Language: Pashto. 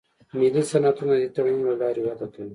ملي صنعتونه د دې تړونونو له لارې وده کوي